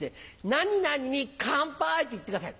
「何々に乾杯！」と言ってください。